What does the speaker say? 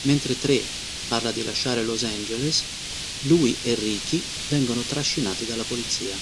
Mentre Tré parla di lasciare Los Angeles, lui e Ricky vengono trascinati dalla polizia.